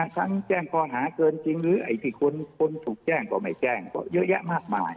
แจ้งข้อหาเกินจริงหรือไอ้ที่คนถูกแจ้งก็ไม่แจ้งก็เยอะแยะมากมาย